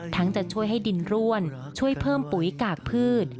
จะช่วยให้ดินร่วนช่วยเพิ่มปุ๋ยกากพืช